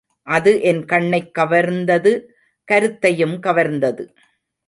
அது என் கண்ணைக் கவர்ந்தது கருத்தையும் கவர்ந்தது.